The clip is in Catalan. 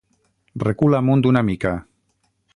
Recula amunt una mica.